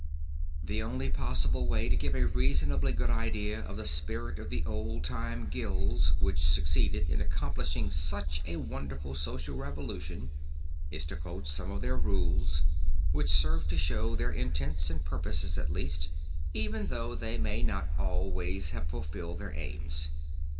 The only possible way to give a reasonably good idea of the spirit of the old time guilds which succeeded in accomplishing such a wonderful social revolution, is to quote some of their rules, which serve to show their intents and purposes at least, even though they may not always have fulfilled their aims.